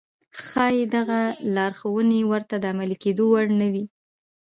ښايي دغه لارښوونې ورته د عملي کېدو وړ نه وي.